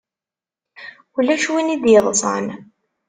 Ulac win i d-yeḍṣan.